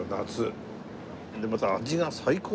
でまた味が最高！